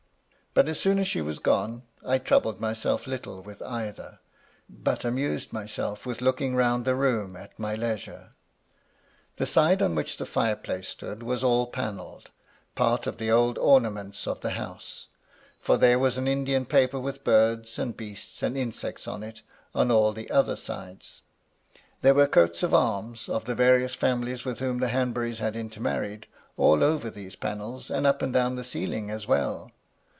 But as soon as she was gone, I troubled myself little with either, but amused myself with looking round the room at my leisure. The side on which the fire place stood, was all panelled, — part of the old ornaments of the house, for there was an Indian paper with birds and beasts, and insects on it, on all the other sides. There were coats of arms, of the various families with whom the Hanburys had intermarried, all over these panels, and up and down the ceiling as well.